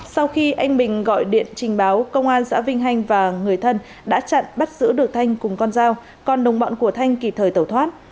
sau khi anh bình gọi điện trình báo công an xã vinh hanh và người thân đã chặn bắt giữ được thanh cùng con dao còn đồng bọn của thanh kịp thời tẩu thoát